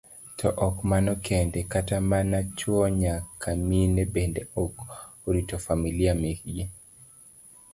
To ok mano kende, kata mana chuo nyaka mine bende ok orito familia mekgi.